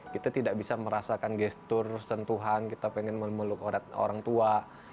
kita tidak bisa merasakan gestur sentuhan kita pengen memeluk orang tua